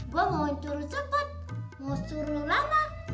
gue mau turun cepat mau turun lama